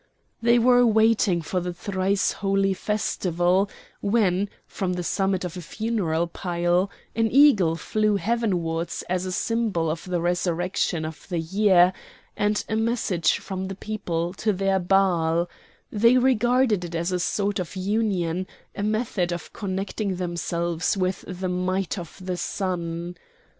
They were waiting for the thrice holy festival when, from the summit of a funeral pile, an eagle flew heavenwards as a symbol of the resurrection of the year, and a message from the people to their Baal; they regarded it as a sort of union, a method of connecting themselves with the might of the Sun.